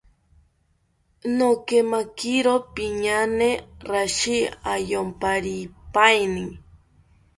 Nokemakiro piñaane rashi ayomparipaeni